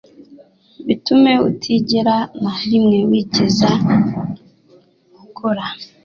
Bitume utigera na rimwe wigeze ukora